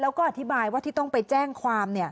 แล้วก็อธิบายว่าที่ต้องไปแจ้งความ